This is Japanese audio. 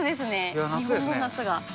日本の夏が。